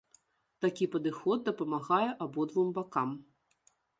Такі падыход дапамагае абодвум бакам.